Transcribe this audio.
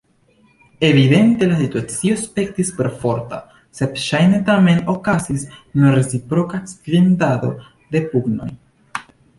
Evidente la situacio aspektis perforta, sed ŝajne tamen okazis nur reciproka svingado de pugnoj.